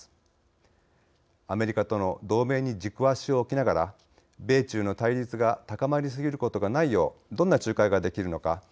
アメリカとの同盟に軸足を置きながら米中の対立が高まりすぎることがないようどんな仲介ができるのか。